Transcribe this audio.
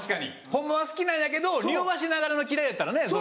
ホンマは好きなんやけどをにおわせながらの嫌いやったら。